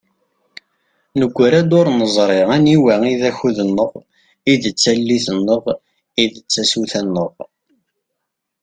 Negra-d ur neẓri aniwa i d akud-nneɣ, i d tallit-nneɣ, i d tasuta-nneɣ.